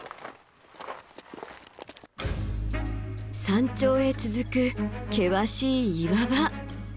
山頂へ続く険しい岩場。